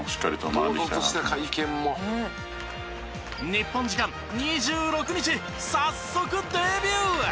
日本時間２６日早速デビュー！